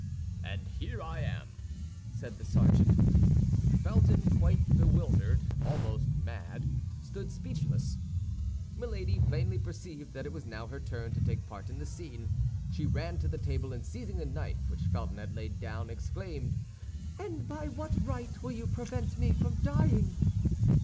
"And here I am," said the sergeant. Felton, quite bewildered, almost mad, stood speechless. Milady plainly perceived that it was now her turn to take part in the scene. She ran to the table, and seizing the knife which Felton had laid down, exclaimed, "And by what right will you prevent me from dying?"